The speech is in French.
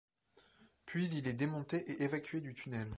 Puis il est démonté et évacué du tunnel.